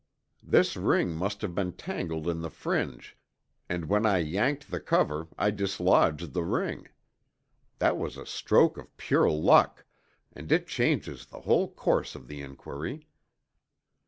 This ring must have been tangled in the fringe and when I yanked the cover I dislodged the ring. That was a stroke of pure luck, and it changes the whole course of the inquiry.